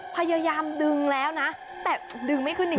พยายามดึงแล้วนะแต่ดึงไม่ขึ้นนี่